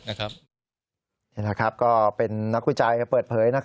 นี่แหละครับก็เป็นนักวิจัยเปิดเผย